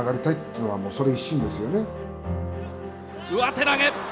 上手投げ。